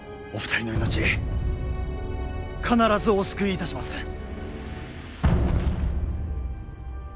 お二人の命必ずお救いいたします。